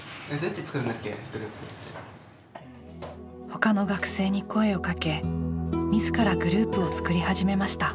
他の学生に声をかけ自らグループを作り始めました。